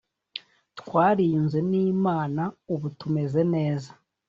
twariyunze n imana ubu tumeze neza